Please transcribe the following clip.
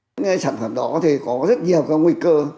những sản phẩm đó có rất nhiều nguy cơ